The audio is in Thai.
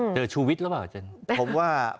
เจอชุวิตรึเปล่าอาจารย์